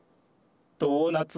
ドーナツ？